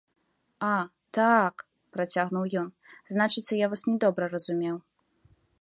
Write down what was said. — А, та-а-ак, — працягнуў ён, — значыцца, я вас не добра разумеў.